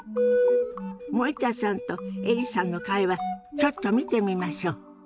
森田さんとエリさんの会話ちょっと見てみましょ。